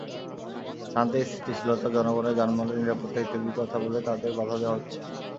শান্তি, স্থিতিশীলতা, জনগণের জানমালের নিরাপত্তা ইত্যাদির কথা বলে তাদের বাধা দেওয়া হচ্ছে।